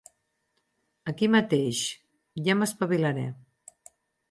Aquí mateix, ja m'espavilaré.